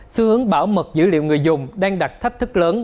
xu hướng bảo mật dữ liệu người dùng đang đặt thách thức lớn